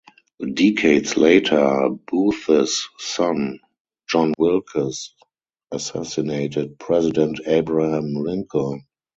Decades later, Booth's son, John Wilkes, assassinated president Abraham Lincoln.